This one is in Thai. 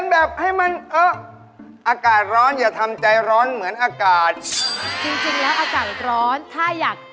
แล้วให้เหลือหัวเหลือหัว